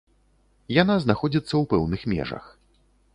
Яна знаходзіцца ў пэўных межах.